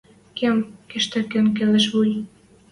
Кем, кыштакен келеш вуй.